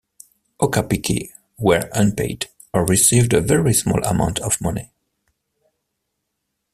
Okappiki were unpaid, or received a very small amount of money.